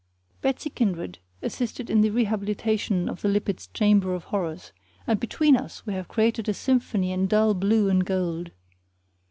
Betsy Kindred assisted in the rehabilitation of the Lippett's chamber of horrors, and between us we have created a symphony in dull blue and gold.